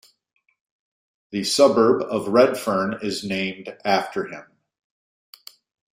The suburb of Redfern is named after him.